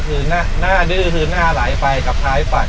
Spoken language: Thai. คือหน้าดื้อคือหน้าไหลไปกับท้ายปั่น